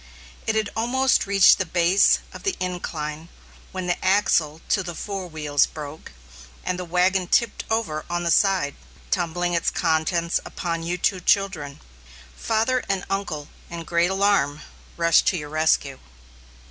It had almost reached the base of the incline when the axle to the fore wheels broke, and the wagon tipped over on the side, tumbling its contents upon you two children. Father and uncle, in great alarm, rushed to your rescue.